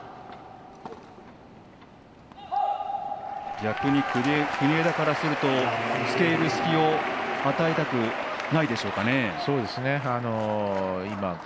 逆に国枝からすると付け入る隙を与えたくないですね。